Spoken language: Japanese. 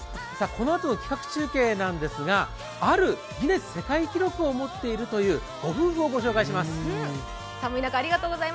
このあとの企画中継なんですがあるギネス世界記録を持っているという、ご夫婦をご紹介します。